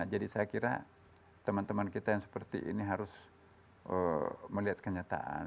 jadi saya kira teman teman kita yang seperti ini harus melihat kenyataan